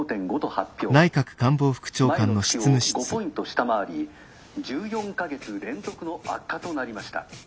前の月を５ポイント下回り１４か月連続の悪化となりました。